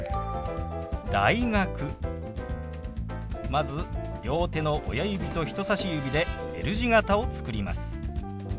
まず両手の親指と人さし指でＬ字形を作ります。